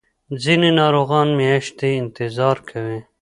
ځینې ناروغان میاشتې انتظار کوي.